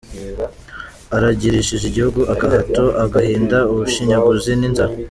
Aragirishije igihugu agahato, agahinda, ubushinyaguzi n’inzara.